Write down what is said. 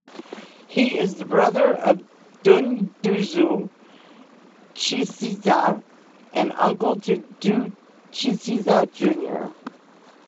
He is the brother of Dunduzu Chisiza, and uncle to Du Chisiza Jnr.